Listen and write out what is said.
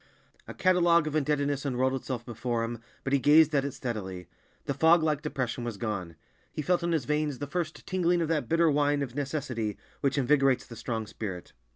A catalogue of indebtedness unrolled itself before him, but he gazed at it steadily. The fog like depression was gone. He felt in his veins the first tingling of that bitter wine of necessity which invigorates the strong spirit.